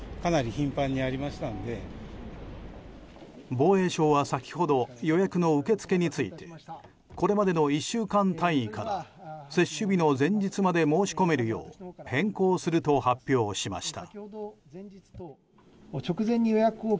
防衛省は先ほど予約の受け付けについてこれまでの１週間単位から接種日の前日まで申し込めるよう変更すると発表しました。